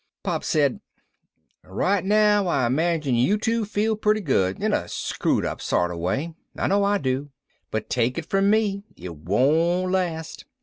Pop said, "Right now, I imagine you two feel pretty good in a screwed up sort of way. I know I do. But take it from me, it won't last.